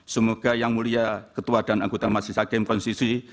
semoga yang mulia ketua dan anggota masjid zahid tim konstitusi